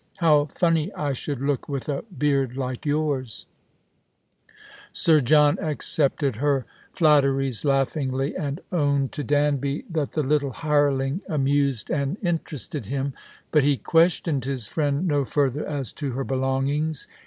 " How funny I should look with a beard like yours !" Sir John accepted her flatteries laughingly, and owned to Danby that the little hireling amused and interested him ; but he questioned his friend no further as to her belongings.